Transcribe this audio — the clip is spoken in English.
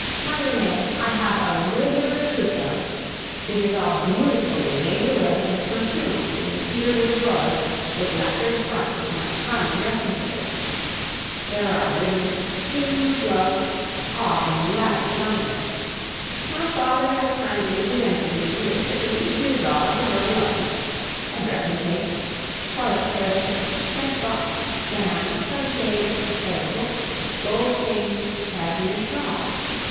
My Renee, I have a regular trousseau! It is all beautifully laid away and perfumed in the cedar wood drawers with lacquered front of my charming dressing table. There are ribbons, shoes, gloves, all in lavish abundance. My father has kindly presented me with the pretty gewgaws a girl loves a dressing case, toilet service, scent box, fan, sunshade, prayer book, gold chain, cashmere shawl.